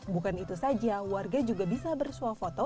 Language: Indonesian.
bukan itu saja warga juga bisa bersuah foto